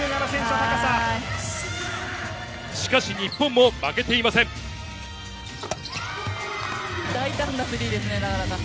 しかし、日本も負けていません。